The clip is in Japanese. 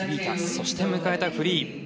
そして迎えたフリー。